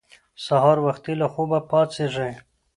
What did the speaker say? سهار وختي له خوبه پاڅېږئ.